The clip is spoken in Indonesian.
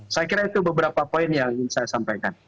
saya kira itu beberapa poin yang ingin saya sampaikan